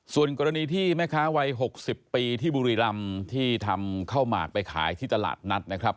ส่วนกรณีที่แม่ค้าวัย๖๐ปีที่บุรีรำที่ทำข้าวหมากไปขายที่ตลาดนัดนะครับ